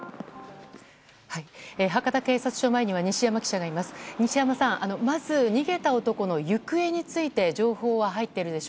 博多警察署前には西山記者がいます。